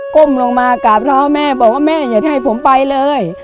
ก้มลงมากราบเท้าแม่บอกว่าแม่อยากจะให้ผมไปเลย